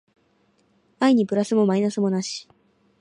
愛にプラスもマイナスもなし